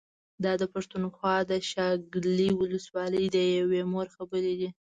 دا د پښتونخوا د شانګلې ولسوالۍ د يوې مور خبرې دي